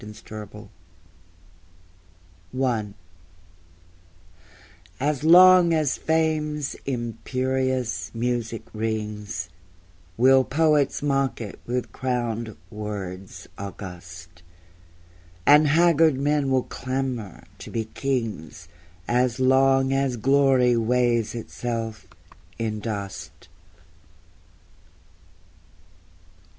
Three Quatrains I As long as Fame's imperious music rings Will poets mock it with crowned words august; And haggard men will clamber to be kings As long as Glory weighs itself in dust.